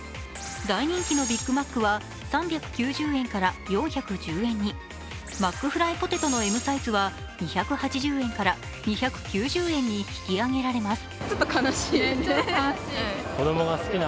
大人気のビックマックは３９０円から４１０円に、マックフライポテトのＭサイズは２８０円から２９０円に引き上げられます。